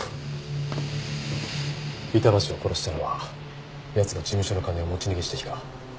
板橋を殺したのは奴が事務所の金を持ち逃げした日か？